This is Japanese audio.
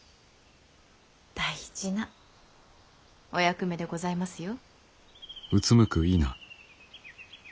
大事なお役目でございますよ。